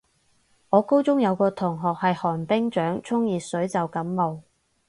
我高中有個同學係寒冰掌，沖熱水就感冒